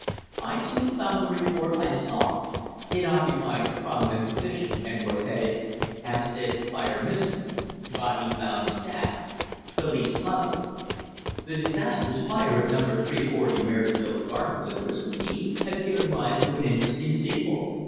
I soon found the report I sought. It occupied a prominent position, and was headed: HAMPSTEAD FIRE MYSTERY BODY FOUND STABBED POLICE PUZZLED The disastrous fire at Number 340 Maresfield Gardens, on Christmas Eve, has given rise to an interesting sequel.